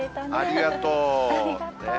ありがとう。